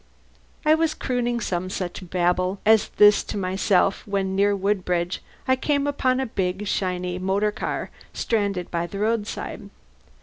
I was crooning some such babble as this to myself when, near Woodbridge, I came upon a big, shiny motor car stranded by the roadside.